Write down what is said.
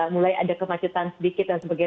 mulai ada kemacetan sedikit dan sebagainya